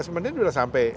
lima belas menit sudah sampai